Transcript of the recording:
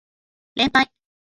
連敗